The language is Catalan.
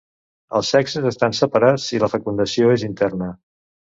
Els sexes estan separats i la fecundació és interna.